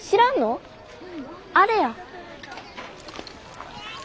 あれや。